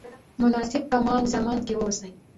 مناسب مکان زمان کې واوسئ.